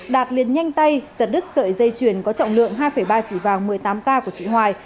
đạt liền nhanh tay giật đứt sợi dây chuyền có trọng lượng hai ba chỉ vàng một mươi tám k của chị hoài